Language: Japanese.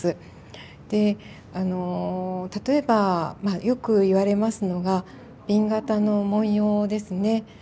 例えばまあよく言われますのが紅型の文様ですね。